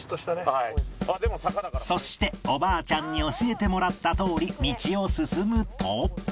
そしておばあちゃんに教えてもらったとおり道を進むと